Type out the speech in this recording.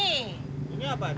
ini apa nek